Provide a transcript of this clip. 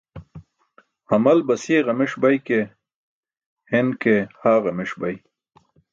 Hamal basiye ġameṣ bay ke, hen ki haa ġameṣ bay.